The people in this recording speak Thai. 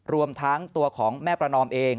รวมทั้งตัวของแม่ประนอมเอง